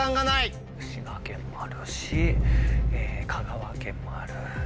滋賀県もあるし香川県もある。